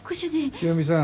清美さん